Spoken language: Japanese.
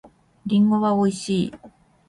りんごは美味しい。